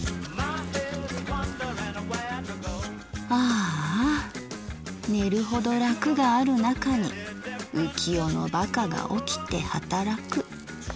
「『あーあ寝るほど楽があるなかに浮世のバカが起きて働く』。